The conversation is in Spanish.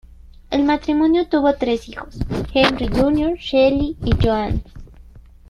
El matrimonio tuvo tres hijos: Henry Jr., Shelley y Joan.